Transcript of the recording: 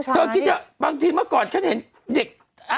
ก็คิดว่าบางทีเมื่อก่อนขั้นเห็นเด็ก